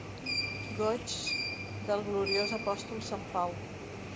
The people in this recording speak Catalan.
Goigs del Gloriós Apòstol sant Pau.